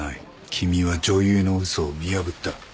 君は女優の嘘を見破った。